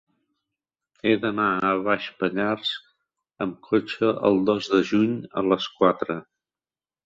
He d'anar a Baix Pallars amb cotxe el dos de juny a les quatre.